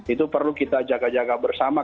itu perlu kita jaga jaga bersama